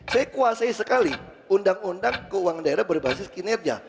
saya kuasai sekali undang undang keuangan daerah berbasis kinerja